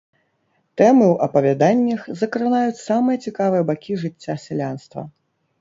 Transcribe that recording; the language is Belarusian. Тэмы ў апавяданнях закранаюць самыя цікавыя бакі жыцця сялянства.